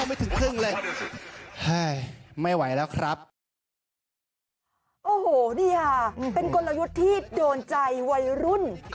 โอ้โหนี่ค่ะเป็นกลยุทธ์ที่โดนใจวัยรุ่น